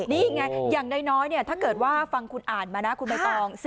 นี่ไงอย่างน้อยถ้าเกิดว่าฟังคุณอ่านมานะคุณใบตอง